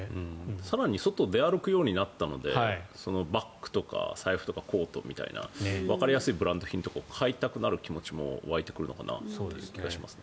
更に外を出歩くようになったのでバッグとか財布、コートみたいなわかりやすいブランド品とかを買いたくなる気持ちも湧いてくるのかなという気がしますね。